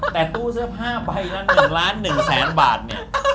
แต่ตู้เสื้อผ้าใบละ๑ล้าน๑แสนบาทเนี่ย